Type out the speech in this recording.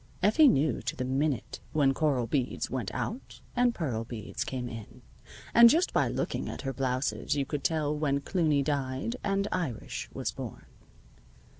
Effie knew to the minute when coral beads went out and pearl beads came in, and just by looking at her blouses you could tell when Cluny died and Irish was born.